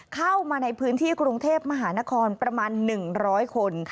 เข้ามาในพื้นที่กรุงเทพมหานครประมาณ๑๐๐คน